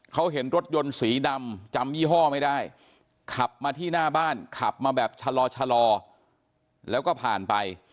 เขาเห็นรถยนต์สีดำจำยี่ห้อไม่ได้ขับมาที่หน้าบ้านขับมาแบบชะลอแล้วก็ผ่านไป